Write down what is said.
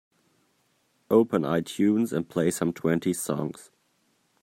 Open Itunes and play some twenties songs.